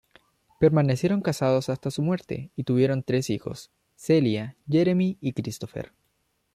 Permanecieron casados hasta su muerte y tuvieron tres hijos: Celia, Jeremy y Christopher.